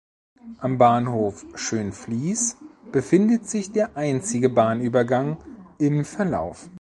Am Bahnhof Schönfließ befindet sich der einzige Bahnübergang im Verlauf.